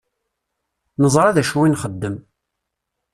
Neẓṛa dacu i nxeddem.